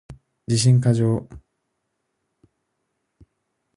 自信過剰